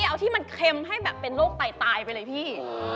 เอาที่มันเค็มให้แบบเป็นโรคไตตายไปเลยพี่